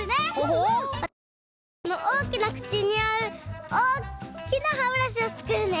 わたしはこのおおきなくちにあうおっきなはぶらしをつくるね。